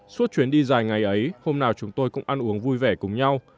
suốt chuyến đi dài ngày ấy hôm nào chúng tôi cũng ăn uống vui vẻ cùng nhau